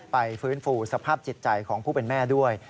ฟื้นฟูสภาพจิตใจของผู้เป็นแม่ด้วย